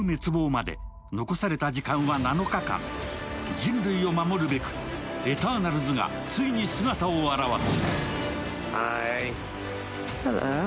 人類を守るべく、エターナルズがついに姿を現す。